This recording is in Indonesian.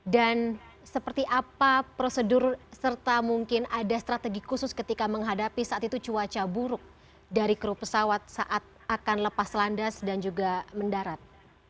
dan seperti apa prosedur serta mungkin ada strategi khusus ketika menghadapi saat itu cuaca buruk dari kru pesawat saat akan lepas landas dan juga mendarat